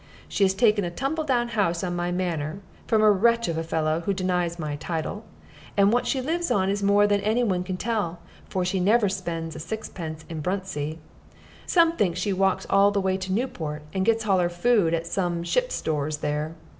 She has taken a tumble down house on my manor, from a wretch of a fellow who denies my title; and what she lives on is more than any one can tell, for she never spends sixpence in Bruntsea. Some think that she walks in the dark to Newport, and gets all her food at some ship stores there.